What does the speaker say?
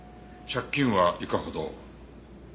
借金はいかほど？